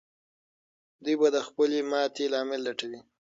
دوی به د خپلې ماتې لامل لټوي.